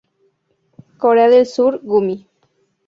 Corea del Sur Gumi